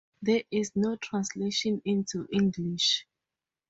There is no translation into English.